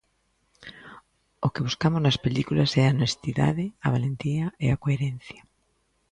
O que buscamos nas películas é a honestidade, a valentía e a coherencia.